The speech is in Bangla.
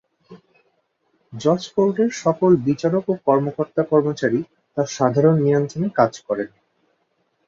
জজ কোর্টের সকল বিচারক ও কর্মকর্তা-কর্মচারী তার সাধারণ নিয়ন্ত্রণে কাজ করেন।